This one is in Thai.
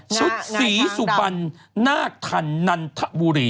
ชุดสีสุบัญน่าทันนัทบุรี